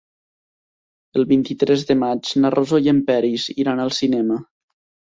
El vint-i-tres de maig na Rosó i en Peris iran al cinema.